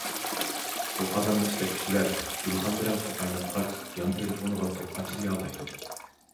بۇ قازاننى ئىشلەتكۈچىلەر گۈلخان بىلەن سۇ قايناتقاچ يان تېلېفونغا توك قاچىلىيالايدۇ.